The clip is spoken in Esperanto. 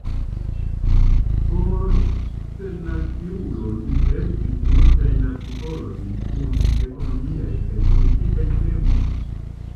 Por Sennaciulo li verkis multajn artikolojn kun ekonomiaj kaj politikaj temoj.